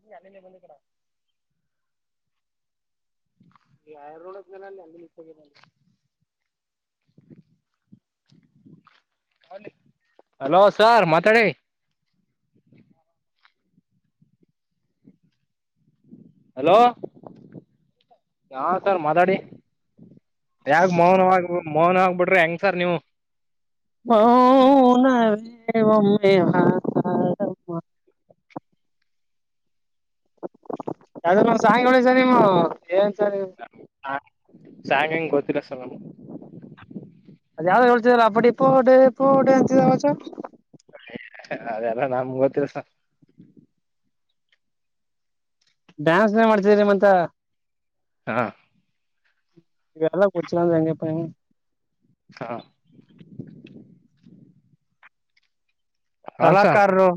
ನೀ ಅಲ್ಲಿ ಇಂದ ಬಂದು ಕಡ ಈ ರೂಣ್ದ್ ಮೇಲ್ ಅಲ್ಲಿ [unintelligible] ಹಲೋ ಸರ್ ಮಾತಾಡಿ ಹಲೋ ಯಾ ಸಾರ್ ಮಾತಾಡಿ ಯಾಕ್ ಮೌನವ ಮೌನ ಆಗ್ಬಿಟ್ರಿ ಹೆಂಗ್ ಸರ್ ನೀವು ಮೌನವೇ ಒಮ್ಮೆ ಮಾತಾಡಮ್ಮ ಹ [unintelligible] ಅವರ್ ಒ ಸಾಯಳಸ ನಿಮ್ಮ್ ಹ ಸಾಂಗ್ ಹೆಂಗೆ ಗೊತ್ತಿಲ್ಲ ಸರ್ ನಮ್ಮ್ ಅದು ಯಾವದೋ ಹೇಳ್ತೀದೆ ಅಲ್ವಾ ಆಪಡಿ ಪೋಡೆ ಪೋಡೆ ಅಂತ ಅದೆಲ್ಲ ನನಗ ಮೂವತ್ತೆ ಸ ಡ್ಯಾನ್ಸ್ ನೇ ಮಾಡ್ತಿದೆ ಮತ್ತೆ ಹಾ. ಎಲ್ಲ ಕುಡಚರಾ ಹೆಂಗಪಾ ಹೆಂಗೆ ಹಾ. ಹನ್ ಸರ್ ಕಲಾಕಾರರು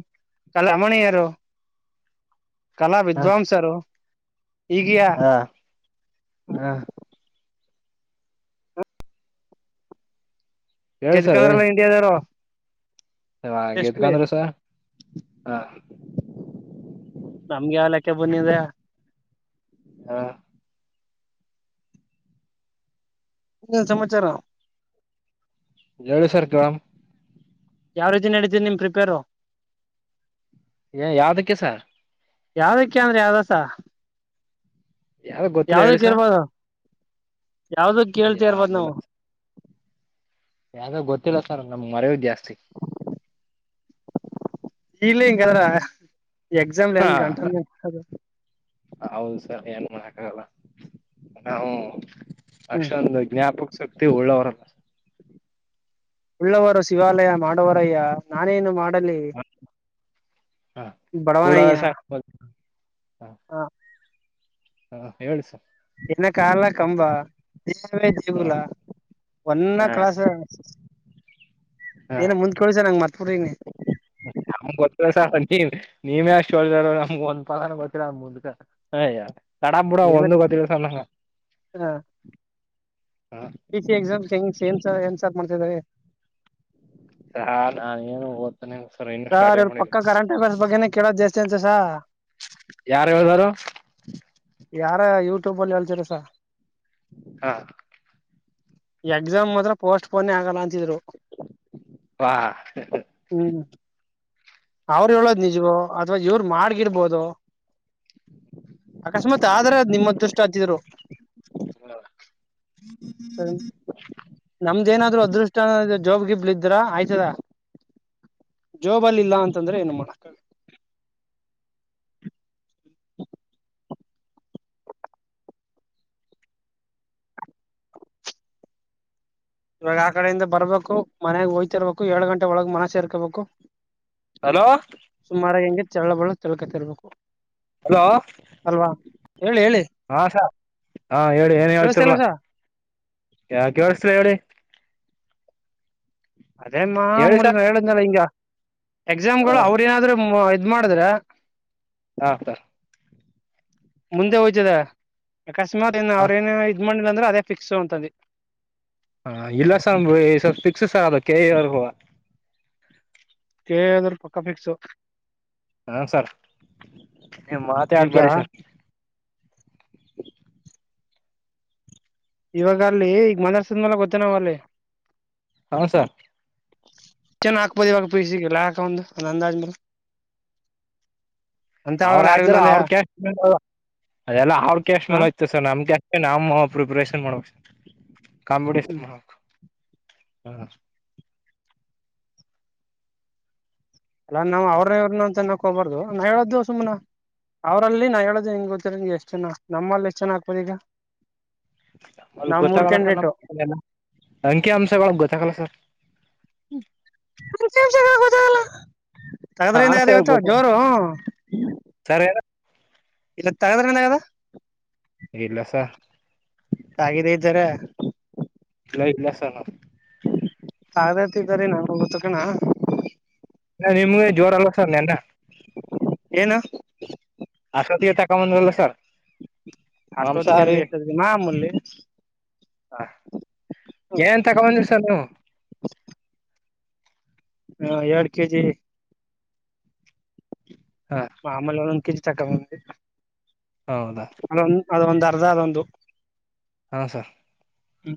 ಕಲಮಣೀಯರು ಕಲಾ ಹ ವಿದ್ವಾಂಸರು. ಈಗಯ ಹಾ ಹಾ. ಹೇಳಿ ಗೆದ್ದಕೊಂಡ್ರಲ್ಲ ಇಂಡಿಯದಾವ್ರು. ಹಾ ಗೆದ್ದಕೊಂಡ್ರು ಸಹ ನಮ್ಗೆ ಯಾವಲೆಕ್ಕ ಬಂದಿದೆ. ಹಾ. ಇನ್ನೇನು ಸಮಮಾರರು ಜವಳಿ ಸರ್ಕಲ್ [unintelligible] ಯಾವ ರೀತಿ ನಡೀತಿದೆ ನಿಮ್ ಪ್ರಿಪೇರು ಏ ಯಾವ್ದಕ್ಕೆ ಸಾರ್- ಯಾವ್ದಕ್ಕೆ ಅಂದ್ರೆ ಯಾವ್ದಸ ಯಾವ್ದ ಗೊತ್ತಿಲ್ಲ ಹೇಳಿಸ ಯಾವ್ದುಕ್ಕ ಕೇಳ್ತೀರಬೋದು ಯಾವ್ದಿಲ್ಲ ನಾವು ಯಾವ್ದೋ ಗೊತ್ತಿಲ್ಲ ಸರ್ ನಮ್ಗ್ ಮರೆಯು ಜಾಸ್ತಿ ಇಲ್ಲಿ ಹಿಂಗದ್ರ ಎಕ್ಸಾಮ್ನ್ಗೆ ಹಾ ಹೆಂಗ ಹೌದು ಸರ್ ಏನ್ ಮಾಡಕಾಗಲ್ಲ ನಾವು ಹ್ಮ್ ಅಷ್ಟೊಂದು ಜ್ಞಾಪಕ ಶಕ್ತಿ ಉಳ್ಳವರ ಉಳ್ಳವರು ಶಿವಾಲಯ ಮಾಡುವರಯ್ಯ ನಾನೇನು ಮಾಡಲಿ ಹಾ ಕೂಡ ಬಡವನಯ್ಯ. ಸಂಗ ಹಾ ಹೇಳಿಸರ. ದಿನ ಕಾಲ ಕಂಬ ದಿನವೇ ದೇಗುಲ. ಹ ಒನ್ನ ಹ ಕ್ಲಾಸ್ ಏನ ಮುಂದ ಕಳಸ ನಂಗ ಮರೆತುಬಿಟ್ಟಿದ್ದೀನಿ. ನಮಗ ಗೊತ್ತಿಲ್ಲ ನೀ ನೀವ ಅಷ್ಟೋ [unintelligible] ನಮ್ಗ ಒಂದ್ ಪದಾನು ಗೊತ್ತಿರ ಅ ಮುಂದ್ಕ ಅಯ್ಯ ತಡಾಪೂಡ ಏನ ಒಂದು ಗೋತ್ತಿಲ್ಲ ನಂಗ. ಪಿ ಸಿ ಎಕ್ಸಾಮ ಹೆಂಗ ಸೇಮ್ ಸರ ಏನ್ ಸೆಟ್ ಮಾಡ್ತಿದ್ದಾರೆ. ಟ್ರಾ ಹಾ ನೀನು ಒದ ಸಾರ್ ಇಲ್ಲಿ ಪಕ್ಕ ಕರೆಂಟ್ ಅಪ್ಪೀರಸ್ ಬಗ್ಗೆನೆ ಕೇಳೋದ್ ಜಾಸ್ತಿ ಅಂತಸ. ಯಾರು ಹೇಳುದಾರು. ಯಾರೋ ಯೂಟ್ಯೂಬ್ ಅಲ್ಲಿ ಹೇಳ್ತರಸರ. ಹಾ. ಎಕ್ಸಾಮ್ ಮಾತ್ರ ಪೋಸ್ಟ್ ಪೋನ್ ಆಗಲ್ಲ ಅಂತಿದ್ರು. ವಾ ಹ್ಮ್ ಅವ್ರ ಹ್ಮ್ ಹೇಳೋದು ನಿಜವೂ ಅಥವಾ ಇವರು ಮಾಡಗಿರ್ಬೋದು. ಅಕಸ್ಮಾತ್ ಆದ್ರ ನಿಮ್ಮ ಅದೃಷ್ಟ ಅಂತೀರು. ಸರಿ ನಮ್ದೇಏನಾದ್ರು ಅದೃಷ್ಟ ಜಾಬ್ಗೆಬ್ಳ ಇದ್ರ ಆಯ್ತದ. ಜೋಬಲ್ಲಿ ಇಲ್ಲ ಅಂತಂದ್ರೆ ಏನು ಮಾಡಕ್ಕ [inaudible] ಇವಾಗ ಆ ಕಡೆಯಿಂದ ಬರ್ಬೇಕು ಮನೆಗ್ ಹೋಯ್ತಿರ್ಬೇಕು ಏಳು ಗಂಟೆ ಒಳಗ್ ಮನೆ ಸೇರ್ಕೋಬೇಕು. ಹಲೋ ಸುಮಾರ ಹೆಂಗ ಚಲ್ಲಬಲ್ಲ ಚಾಲ್ಕೋತಿರ್ಬೇಕು. ಹಲೋ ಅಲ್ವಾ? ಹೇಳಿ ಹೇಳಿ ಹಾ ಸ ಹಾ ಹೇಳಿ ಏನ್ ಕೇಳಸ್ತಿಲ್ಲ ಹೇಳ್ತಿರಲ್ಲ. ಸ ಯಾ [unintelligible] ಹೇಳಿ. ಅದೇ ಹೇಳಿ ಸರ್ ಮಾಮೂಲಿನ ಹೇಳಿದನ್ಲ ಹಿಂಗ. ಹ ಎಕ್ಸಾಮ್ಗಳು ಅವ್ರ ಏನಾದ್ರು ಇದ್ ಮಾಡಿದ್ರ ಹಾ ಸರ್. ಮುಂದೆ ಒಯ್ತಿದವೆ ಅಕಶಮಾತ್ ಏ ಹ ಅವ್ರ ಏನೇ. ಇದ ಮಂಡ ಅಂದ್ರೆ ಅದೇ ಫಿಕ್ಸ್ ಅಂತಧೀ. ಹಾ ಇಲ್ಲಸ ಸ್ವಲ್ಪ ಫಿಕ್ಸ್ ಸಾ ಅದಕ್ಕೆ. [unintelligible] ಕೆ ಎ ದೌರ್ಗ ಪಕ್ಕ ಫಿಕ್ಸು. ಹಾ ಸರ್ ಮಾತ ಈಗ ಆಡ್ಬೇಡಿ ಸರ್. ಇವಾಗ ಅಲ್ಲಿ ಈಗ ಮಾತಾಡ್ಸದಿಲ್ಲ ಗೊತ್ತ ನಾವ್ ಅಲ್ಲಿ. ಹಾ ಸರ್. ಚೆನ್ನ ಹಾಕ್ಬೋದು ಇವಾಗ ಪೀಸಿಗೆಲ್ಲ ಹಾಕ ಒಂದು ಅದ ಅಂದಾಜ್ಮೇಲಾ. ಅವ್ರ ಹಾದಾರ ಅವ್ರ [unintelligible] ಅದೆಲ್ಲ ಅವ್ರ [unintelligible] ಹಾ ಮೇಲೆ ಆಯ್ತು ಸರ್ ನಮ ಕ್ಯಾ ನಮ್ಮ ಪ್ರಿಪರೇಷನ್ ಮಾಡ್ಬೇಕ ಕಾಂಪಿಟೇಷನ್ ಹ್ಮ್ ಮಾಡು. ಹ್ಮ. ಅಲ್ಲಾ ನಾವು ಅವ್ರನೇವ್ರನ ಅಂತ ನಕ ಹೋಬಾರ್ದು ನಾ ಹೇಳೋದಿವು ಸುಮ್ನ. ಅವ್ರಲ್ಲಿ ನಾ ಹೇಳೋದು ನಿಂಗ್ ಗೊತ್ತರಗೆ ಎಷ್ಟ್ ಜನ ನಮ್ಮಲ್ಲಿ ಎಷ್ಟು ಚನ ಆಕ್ಬೋದ ಈಗ. ಅ ನಾವ್ ಮೂರ್ ಗೊತ್ತಾಗಲ್ಲ ಕ್ಯಾಂಡಿಡೇಟ್ ಅಂಕಿ ಅಂಶಗಳು ಗೊತ್ತಾಗಲ್ಲ ಸರ್. [unintelligible] ಹಾ ತಗದ್ರಿಂದಗದ ಸರ್ ಇವತ್ತು ಗೊತ್ತ ಜೋರು ಹೂ. ಸರ್ ಏನ ಇಲ್ಲ ತೆಗೆದರೆ ಅನ್ಗದ. ಇಲ್ಲಸ. ತಗಿದೆ ಇದ್ದಾರ. [unintelligible] ತಗದತಿದ್ದಾರೀ ನನ್ ಗೊತ್ತಕಣ. ನಿಮ್ಗೆ ಜೋರ ಅಲ್ಲ ಸರ್ ನೆನ್ನ. ಏನ. ಅಷ್ಟೊತ್ತಿಗೆ ಎತ್ತುಕ ಬಂದಲ್ಲ ಸರ್. ಅಷ್ಟೋತ್ಕಂದ್ರೆ ಎಷ್ಟೊತ್ತಿಗೆ ಮಾಮುಲ್ಲಿ. ಹ ಏನ್ ತಗೋ ಬಂದ್ರಿ ಸರ್ ನೀವು. ಹಾ ಎರಡ್ ಕೆಜಿ. ಹ ಮಾಮೂಲಿ ಒಂದೊಂದು ಕಿವಿ ತಗೊಂಬಂದಿದೆ. ಹೌದಾ. ಅದೊಂದು ಅರ್ಧ ಅದೊಂದು. ಹ ಸರ್. ಹ್ಮ.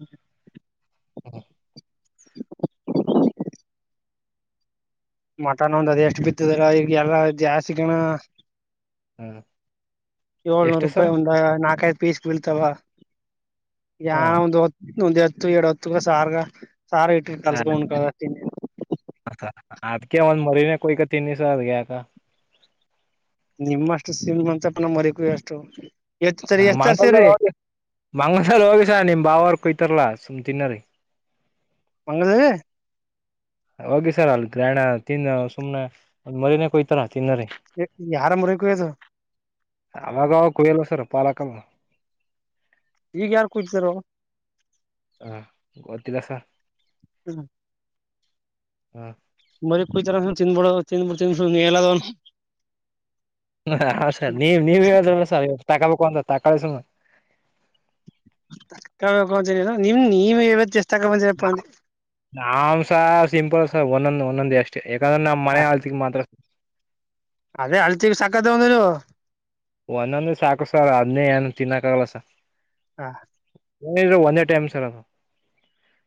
ಹ್ಮ. [unintelligible] ಮಟನ್ ಒಂದ ಅದು ಎಷ್ಟ್ ಬಿತ್ತದರ ಈಗ ಎಲ್ಲಾ ಜಾಸ್ತಿ ಕಣ. ಹ್ಮ್ ಏಳ್ನೂರು ಎಷ್ಟು ಸರ್ ರೂಪಾಯಿ ಒಂದ ನಾಕೈದ್ ಪೀಸ್ ಬೀಳ್ತಾವ. ಹ ಯನ ಒಂದು ಹೊತ್ತು ಎರಡ್ ಹೊತ್ತು ಸಾರ್ಗ. ಸಾರ ಇಟ್ ಕಲ್ಸ್ಕೊ ಉಂಕಳದು ಕದ ಅಷ್ಟ. ಅದ್ಕ ಒಂದ್ ಮರಿನ ಕೊಕ ತಿನಿ ಸರ್ ಅದ್ಗೆಕ. ನಿಮ್ಮಷ್ಟು ಶ್ರೀಮಂತನ ಮರಿಕು ಎಷ್ಟು. ಎತ್ ಸರಿ ಹ ಎಷ್ಟ ತರ್ಸೀರಿ ಮಂಗಳದಲ್ಲಿ ಹೋಗಿ ಮಂಗಳದಲ್ಲಿ ಹೋಗಿಸ ನಿಮ್ ಬಾವರ್ ಕುಯ್ತಾರಲ್ಲಾ. ಸುಮ್ಕಿನ್ನೋರಿ. ಮಂಗಲದಲ್ಲಿ. ಹೋಗಿ ಸರ್ ಅಲ್ ಗ್ರಾಣ ತಿನ್ನ ಸುಮ್ನೆ ಒಂದ್ ಮರಿನ ಕೊಯ್ತರ. ತಿನ್ನರಿ ಯಾರ ಮರಿ ಕುಯ್ಯೋದು ಅವಾಗವಾಗ ಕುಯ್ಯಲ್ವ ಸರ್. ಸರ್ ಪಾಲಕಲ್ವ. ಈಗ ಯಾರ್ ಕುಯ್ತಾರ್ ಅವರು. ಹಾ ಗೊತ್ತಿಲ್ಲ ಸರ್. ಹ್ಮ್. ಹ್ಮ. ಮರಿ ಕುಯತರ ಚಿನ್ನಬಡ [unintelligible] ಹ ಸರ್ ನೀವ್ ನೀವ್ ಹೇಳುದಲ್ಲ ಸರ್ ತಾಕೊಬೇಕು ಅಂತ ತಕಳಿ ಸುಮ್ [unintelligible] ನಿಮ್ ನೀವವ ನ ನಾವ್ ಸ ಸಿಂಪಲ್ಸ ಒಂದೊಂದ ಒಂದೊಂದ ಎಷ್ಟ ನಮ್ಮ ಮನೆ ಆಲ್ತಿ ಮಾತ್ರ ಅದೇ ಅಲತಿ ಸಕ್ಕತ್ ತೊಂದಲ ಒಂದೊಂದೆ ಸಾಕು ಸರ್ ಅದ್ನೇ ಏನ ತಿನ್ನಕ್ ಆಗಲ್ಲ ಸ. ಹ ಏನಿದ್ರು ಒಂದೇ ಟೈಮ್ ಸರ್ ಅದು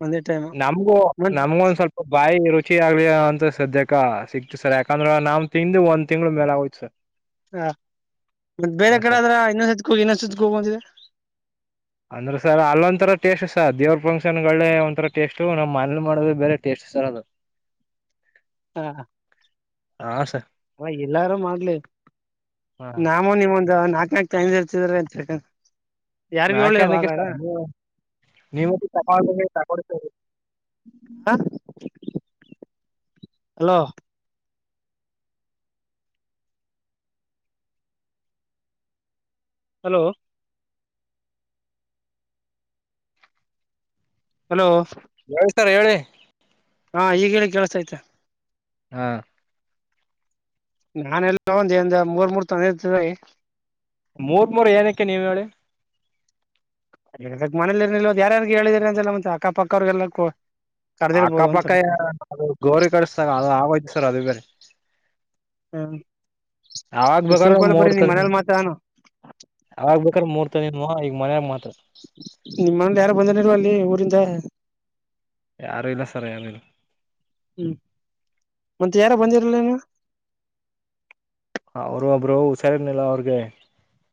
ಒಂದೇ ಟೈಮ್ ನಮಗೂ ಮತ್ ನಮ್ಗ ಒಂದ ಸ್ವಲ್ಪ ಬಾಯಿ ರು ಚಿ ಆಗ್ಲಿ ಅಂತ ಸದ್ಯಕ್ಕ ಸಿಕ್ತು ಸರ್ ಯಾಕಂದ್ರ ನಮ್ ತಿಂದು ಒಂದ್ ತಿಂಗ್ಳ ಮೇಲ ಆಗೋಯ್ತ ಸರ್. ಹಾ ಮತ್ತ ಬೇರೆ ಹ ಸರ್ ಕಡೆ ಆದ್ರ ಇನ್ನೊಂದಸತ ಕೂಗ ಇನ್ನೊಂದಸತ ಕೂಗ ಅಂತಿದ್ದೆ. ಅಂದ್ರ ಸರ್ ಅಲ್ಲ ಒಂತರ ಟೇಸ್ಟ್ ಸರ್ ದೇವ್ರ ಫಂಕ್ಷನ್ ಗಳೇ ಒಂಥರ ಟೇಸ್ಟ್ ನಮ್ ಮನೆಲಿ ಮಾಡೋದು ಬೇರೆ ಟೇಸ್ಟ್. ಸರ್ ಅದ. ಹಾ ಹಾ ಸರ್. ಹ ಎಲ್ಲಾರ ಮಾಡ್ಲಿ ಹಾ ನಾಮ ನಿಮ್ಮ ನಾಕ ನಾಕ್ ತಂದಿದ್ದ ಹಚ್ಚಿರ್ ಅಂತ ಯಾರಿಗ ನಾಕ ಹೇಳಿಲ್ವಾ ಹಾಗಾರ ಅನಕ್ಕತ ನೀವು [unintelligible] ಹ ಹಲೋ. ಹಲೋ. ಹಲೋ. ಕೇಳಸ್ತಾ ಹೇಳಿ. ಹಾ ಈಗ ಹೇಳ ಕೆಳ್ಸತಾ ಐತೆ. ಹಾ. ನಾನೆಲ್ಲ ಒಂದ ಎಂದ ಮೂರ್ ಮೂರ್ ತಂದ ಇತೀ ಮೂರ ಮೂರ ಏನಕ್ಕೆ ನೀವ್ ಹೇಳಿ. ದ ಮನೇಲಿ ಇರ್ ನಿಲ್ದ ಯಾರ ಯಾರ ಹೇಳಿದ್ರರಿ ಅಂತೆ ಎಲ್ಲ ಅಕ್ಕಪಕ್ಕ ಅವ್ರಿಗೆಲ್ಲ ಕರ್ದಿರ್ಬೋದು ಅಂತ ಅಕ್ಕಪಕ್ಕ ಹೇಳ. ಗೋರಿ ಕಡಸ್ದಾಗ ಅದ ಆಗೋಯ್ತು ಸರ್ ಅದು ಬ ಹಾ ಅಗ್ ಬೇಕಾರ ಮೂರ್ತದ ಮನೇಲಿ ಮಾತಾನು ಅವಾಗ್ ಬೇಕರ ಮೂರ್ತದಿ ಹ ಈಗ ಮನ್ಯಾಗ ಮಾತ್ ನಿಮ್ ಮಂದಿ ಯಾರ ಬಂದಿಲ್ಲ ಇಲ ಅಲ್ಲಿ ಊರಿಂದ ಯಾರು ಇಲ್ಲ ಸರ್ ಯಾರು ಇಲ್ಲ. ಹ್ಮ ಮತ್ತ ಯಾರ ಬಂದಿರಲೇನು. ಅವರ ಒಬ್ರು ಹುಷಾರರ್ನಿಲ್ಲ ಅವ್ರಿಗೆ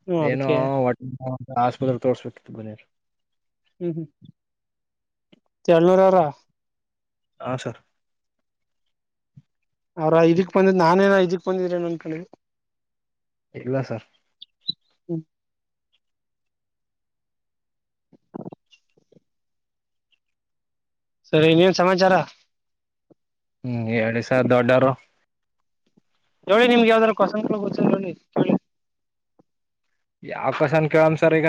ಹ್ಮ ಏನು ಅದಕ್ಕೆ ಹೋ ಆಸ್ಪತ್ರೆ ತೋರ್ಸ್ಬಿಟ್ಟತಿತ್ತು ಬನರ್ ಹ್ಮ ಹ್ಮ ಚನೂರರ ಹಾ ಸರ್. ಅವ್ರ ಇದಕ್ ಬಂದಿದ ನಾನೇನ ಇದಿಕ್ ಬಂದಿದ್ರೇನ ಅನ್ಕೊಂಡಿ. ಇಲ್ಲ ಸರ್. ಹ್ಮ. ಸರಿ ನೀನ್ ಸಮಾಚಾರ. ಹ್ಮ ಹೇಳಿ ಸರ್ ದೊಡ್ಡರ. ನೋ ನಿಮ್ಗೆ ಯಾವ್ದಾರ [unintelligible] ತುಗೊಳಿ. ಯಾವ ಕಸನ್ ಕ ಆನ್ಸರ್ ಈಗ.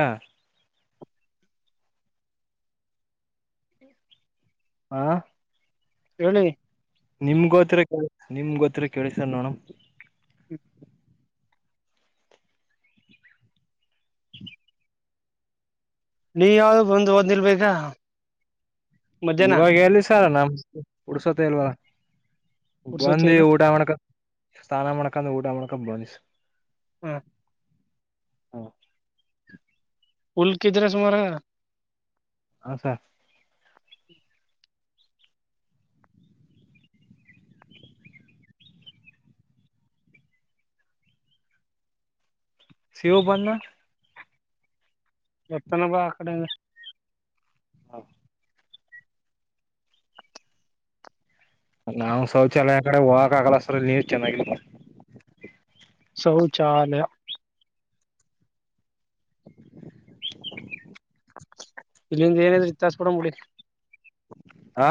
ಹಾ ಹೇಳಿ. ನಿಮಗೋತ್ರ ಕ ನಿಮ್ ಗೋತ್ರ ಕೇಳಿಸ ನೋನು [unintelligible] [inaudible] ನೀ ಯಾವ್ದ ಬಂದು ಒಂದ್ ನಿಲ್ಬೇಕಾ ಮಧ್ಯಾಹ್ನ ಇವಾಗ ಎಲ್ಲಿ ಸರ ನಮ್ ಉಡ್ಸೊತ್ತ ಇಲ್ವ ಪುರ್ಸತಿ ಬಂದಿ ಇಲ್ಲ ಊಟ ಮಾಡ್ಕ ಸ್ನಾನ ಮಾಡ್ಕಂದ ಊಟ ಮಾಡ್ಕೊಂಡ್ ಬಂದ್ ಹ್ಮ ಹಾ ಉಲ್ಕಿದ್ರೆ ಸುಮಾರ ಹ ಸರ್ ಹ್ಮ್ಮ ಸಿವು ಬಂದ ಎತ್ತನ ಬಾ ಅಕಡೆಂಗ ಹೌ ನಾ ಶೌಚಾಲಯ ಕಡೆ ಹೋಗಕ್ ಆಗಲ್ಲ ಸರ ನೀವ ಚೆನ್ನಾಗಿತ್ತ ಶೌಚಾಲಯ [inaudible] ಇಲ್ಲಿಂದ ಏನಿದ್ರರು ಇತ್ಯಾಸ ಪಡ ಮೂಡಿ ಆ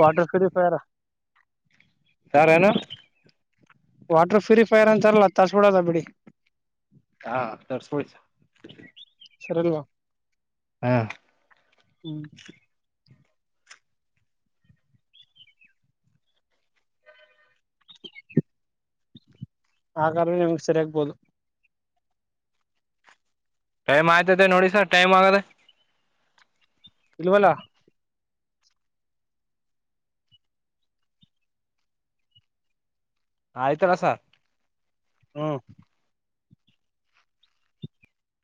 ವಾಟರ್ ಕರಿಫರ ಯಾರೇನು ವಾಟರ್ ಫ್ಯೂರಿಫೈರ್ ಅಂತಾರಲ್ಲ ತರಿಸಬಿಡದ ಬಿಡಿ ಹಾ ತರ್ ಸುಯ ಸರಿದುವಾ ಹಾ [unintelligible] ಹಾಗಾದೆ ನಿಮ್ಗೆ ಸರಿಯಗ್ಬೋದು ಟೈಮ್ ಆಯ್ತತೆ ನೋಡಿ ಸರ್ ಟೈಮ್ ಆಗದೆ ಇಲ್ವಲ್ಲ ಹ ಆಯ್ತಾರಸ ಹ್ಮ